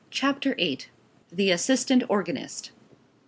CHAPTER VIII. THE ASSISTANT ORGANIST.